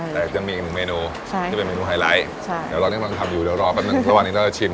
แต่จะมีอีกหนึ่งเมนูที่เป็นเมนูไฮไลท์เดี๋ยวเรากำลังทำอยู่เดี๋ยวรอแป๊บนึงระหว่างนี้เราจะชิม